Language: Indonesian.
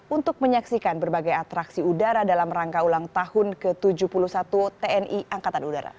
untuk menyaksikan berbagai atraksi udara dalam rangka ulang tahun ke tujuh puluh satu tni angkatan udara